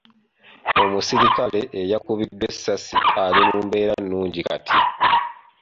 Omusirikale e yakubiddwa essasi ali mu mbeera nnungi kati.